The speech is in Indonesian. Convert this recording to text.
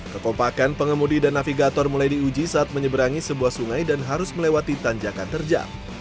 kekompakan pengemudi dan navigator mulai diuji saat menyeberangi sebuah sungai dan harus melewati tanjakan terjang